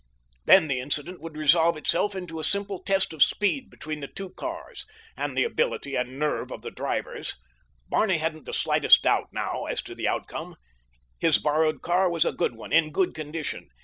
Then the incident would resolve itself into a simple test of speed between the two cars—and the ability and nerve of the drivers. Barney hadn't the slightest doubt now as to the outcome. His borrowed car was a good one, in good condition.